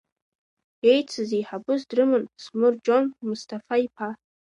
Еицыз еиҳабыс дрыман Смыр Џьон Мысҭафа-иԥа.